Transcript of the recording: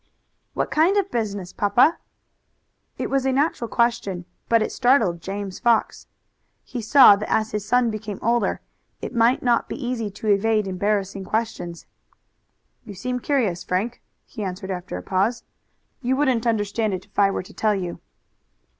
"What kind of business, papa?" It was a natural question, but it startled James Fox. He saw that as his son became older it might not be easy to evade embarrassing questions. "You seem curious, Frank," he answered after a pause. "You wouldn't understand if I were to tell you."